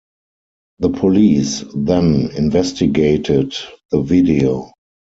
The police then investigated the video.